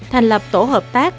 thành lập tổ hợp tác